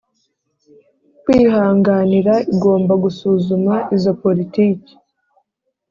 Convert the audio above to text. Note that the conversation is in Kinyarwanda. kwihanganira Igomba gusuzuma izo politiki